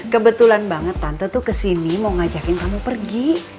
kebetulan banget tante tuh kesini mau ngajakin kamu pergi